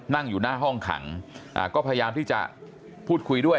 นั่งอยู่หน้าห้องขังก็พยายามที่จะพูดคุยด้วย